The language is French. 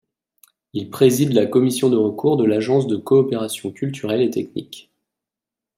Il préside la Commission de recours de l'Agence de coopération culturelle et technique.